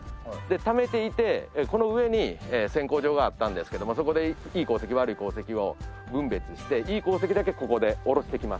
ためていてこの上に選鉱場があったんですけどもそこでいい鉱石悪い鉱石を分別していい鉱石だけここで下ろしてきます。